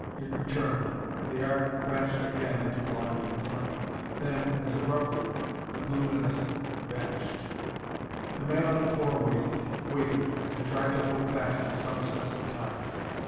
It returned, and the arc crashed again into blinding flame. Then, as abruptly, the blue menace vanished. The man on the floor waited, waited, and tried to hold fast to some sense of time.